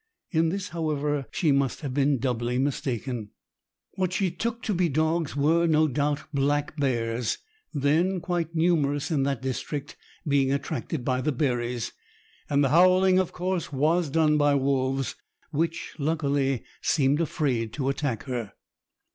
In this, however, she must have been doubly mistaken. What she took to be dogs were no doubt black bears, then quite numerous in that district, being, attracted by the berries; and the howling, of course, was done by wolves, which, luckily, seemed afraid to attack her.